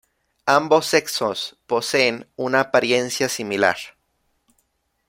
Ambos sexos poseen una apariencia similar.